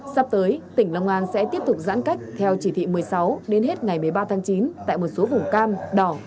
sắp tới tỉnh long an sẽ tiếp tục giãn cách theo chỉ thị một mươi sáu đến hết ngày một mươi ba tháng chín tại một số vùng cam đỏ